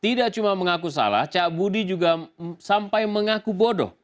tidak cuma mengaku salah cak budi juga sampai mengaku bodoh